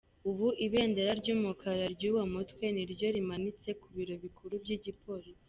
Ubu ibendera ry'umukara ry'uwo mutwe niryo rimanitse ku biro bikuru by'igipolisi.